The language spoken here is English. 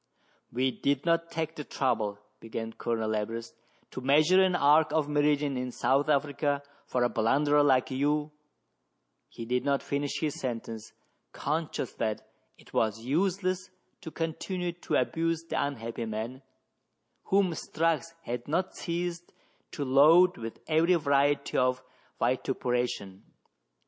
" We did not take the trouble," began Colonel Everest, "to measure an arc of meridian in South Africa for a blunderer like you —" He did not finish his sentence, conscious that it was useless to continue to abuse the unhappy man, whom Strux had not ceased to load with every variety of vitupera tion.